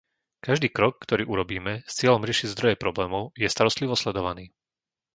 Každý krok, ktorý urobíme, s cieľom riešiť zdroje problémov, je starostlivo sledovaný.